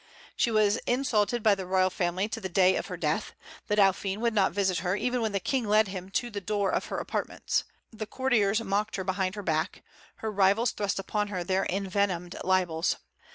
She was insulted by the royal family to the day of her death. The Dauphin would not visit her, even when the King led him to the door of her apartments. The courtiers mocked her behind her back. Her rivals thrust upon her their envenomed libels.